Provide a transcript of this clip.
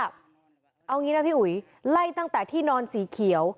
เอางี้นะพี่อุ๋ยไล่ตั้งแต่ที่นอนสีเขียว